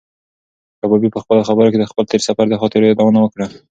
کبابي په خپلو خبرو کې د خپل تېر سفر د خاطرو یادونه وکړه.